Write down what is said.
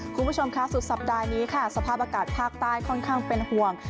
คุณผู้ชมค่ะสุดสัปดาห์นี้ค่ะสภาพอากาศภาคใต้ค่อนข้างเป็นห่วง